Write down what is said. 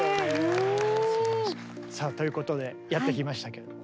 うん。ということでやってきましたけども。